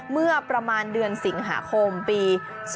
เมื่อประมาณเดือนสิงหาคมปี๒๕๖